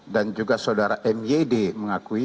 dan juga saudara myd mengakui